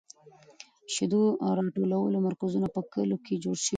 د شیدو راټولولو مرکزونه په کلیو کې جوړ شوي دي.